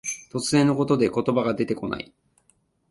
突然のことで言葉が出てこない。